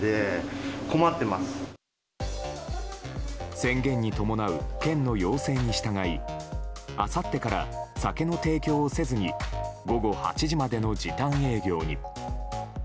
宣言に伴う県の要請に従いあさってから酒の提供をせずに午後８時までの時短営業に。